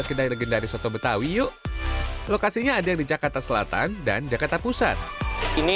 kedai legendaris soto betawi yuk lokasinya ada di jakarta selatan dan jakarta pusat ini